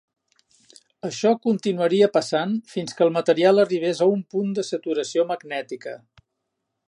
Això continuaria passant fins que el material arribés a un punt de saturació magnètica.